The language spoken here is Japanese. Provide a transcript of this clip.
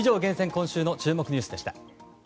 今週の注目ニュースでした。